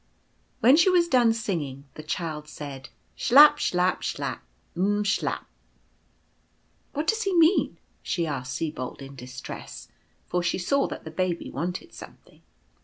When she was done singing, the Child said :" Chlap, Chlap, Chlap, M chlap !" "What does he mean?" she asked Sibold, in distress, for she saw that the Baby wanted something.